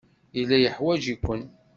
Yella yeḥwaj-iken.